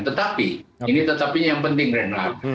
tetapi ini tetapinya yang penting renard